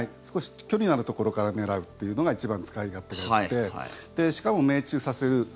少し距離のあるところから狙うというのが一番使い勝手がよくてしかも命中させる。